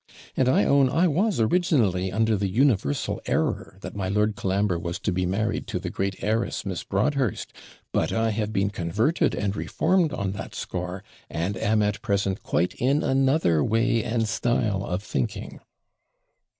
'And I own I was originally under the universal error, that my Lord Colambre was to be married to the great heiress, Miss Broadhurst; but I have been converted and reformed on that score, and am at present quite in another way and style of thinking.'